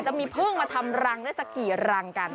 จะมีพึ่งมาทำรังได้สักกี่รังกัน